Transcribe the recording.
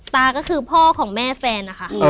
ตาก็คือพ่อของแม่แฟนนะคะ